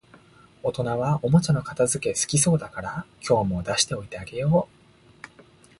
大人はおもちゃの片づけ好きそうだから、今日も出しておいてあげよう